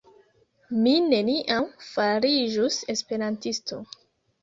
Mi neniam fariĝus Esperantisto